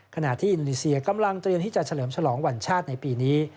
ขณะที่อินโดนีเซียกำลังเตรียมที่จะเฉลิมฉลองวันชาติในปีนี้